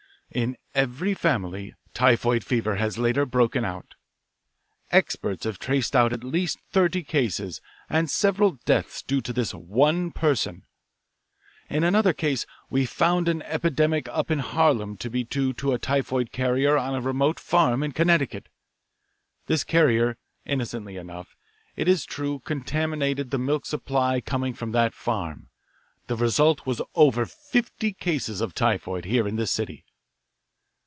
"In every family typhoid fever has later broken out. Experts have traced out at least thirty, cases and several deaths due to this one person. In another case we found an epidemic up in Harlem to be due to a typhoid carrier on a remote farm in Connecticut. This carrier, innocently enough, it is true, contaminated the milk supply coming from that farm. The result was over fifty cases of typhoid here in this city.